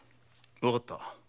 わかった。